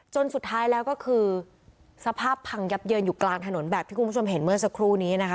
สุดท้ายแล้วก็คือสภาพพังยับเยินอยู่กลางถนนแบบที่คุณผู้ชมเห็นเมื่อสักครู่นี้นะคะ